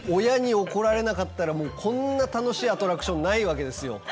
親に怒られなかったらもうこんな楽しいアトラクションないわけですよ。